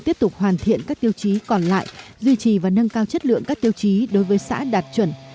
tiếp tục hoàn thiện các tiêu chí còn lại duy trì và nâng cao chất lượng các tiêu chí đối với xã đạt chuẩn